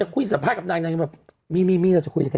ถ้านางจะคุยสัมภาษณ์กับนางนางก็แบบมี่เราจะคุยกันเยอะเนอะ